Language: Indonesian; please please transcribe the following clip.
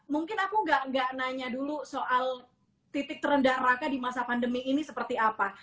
mungkin aku nggak nanya dulu soal titik terendah raka di masa pandemi ini seperti apa